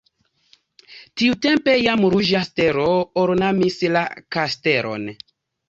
Tiutempe jam ruĝa stelo ornamis la kastelon.